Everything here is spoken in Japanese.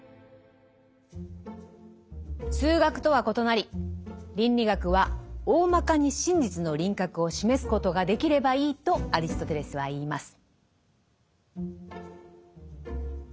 数学とは異なり倫理学は「おおまかに真実の輪郭を示すことができればいい」とアリストテレスは言います。